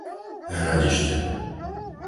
Hradište